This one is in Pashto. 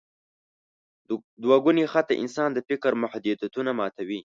دوګوني خط د انسان د فکر محدودیتونه ماتوي.